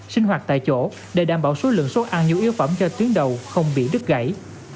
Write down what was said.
sinh hoạt tại chỗ để đảm bảo số lượng số ăn nhu yếu phẩm cho tuyến đầu không bị đứt gãy